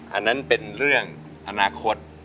อันนั้นเป็นเรื่องอนาคต